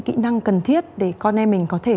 kỹ năng cần thiết để con em mình có thể